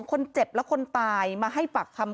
คนเจ็บและคนตายมาให้ปากคำ